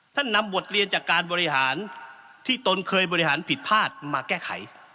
นำบทเรียนจากการบริหารที่ตนเคยบริหารผิดพลาดมาแก้ไข